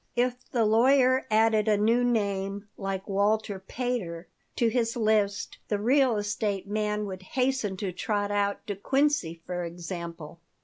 If the lawyer added a new name, like Walter Pater, to his list, the real estate man would hasten to trot out De Quincey, for example.